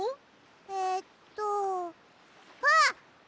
えっとあっ！